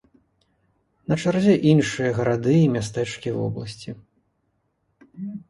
На чарзе іншыя гарады і мястэчкі вобласці.